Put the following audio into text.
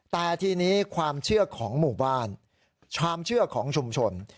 แต่ทีนี้ความเชื่อของหมู่บ้านความเชื่อของชุมชน